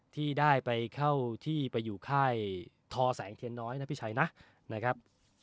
ที่ได้ไปเข้าที่ไปอยู่ค่ายทอแสงเทียนน้อยนะพี่ชัยนะนะครับ